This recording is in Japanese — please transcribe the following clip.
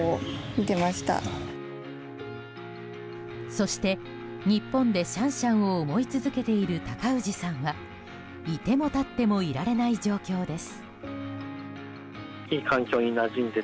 そして、日本でシャンシャンを思い続けている高氏さんは居ても立ってもいられない状況です。